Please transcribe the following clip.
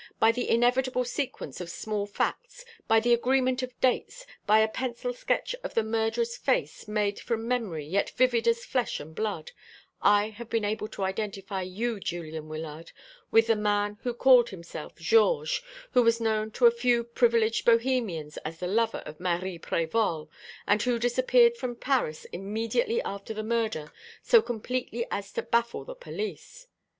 By the inevitable sequence of small facts, by the agreement of dates, by a pencil sketch of the murderer's face, made from memory, yet vivid as flesh and blood, I have been able to identify you, Julian Wyllard, with the man who called himself Georges, who was known to a few privileged Bohemians as the lover of Marie Prévol, and who disappeared from Paris immediately after the murder, so completely as to baffle the police.